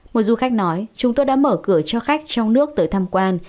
một du khách nói chúng tôi đã mở cửa cho khách trong nước tới tham quan